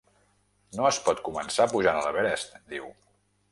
No es pot començar pujant a l’Everest, diu.